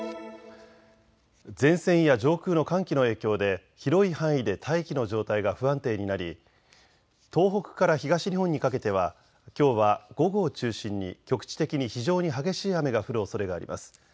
前線や上空の寒気の影響で広い範囲で大気の状態が不安定になり東北から東日本にかけてはきょうは午後を中心に局地的に非常に激しい雨が降るおそれがあります。